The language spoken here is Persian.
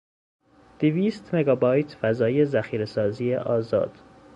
دویست مگابایت فضای ذخیرهسازی آزاد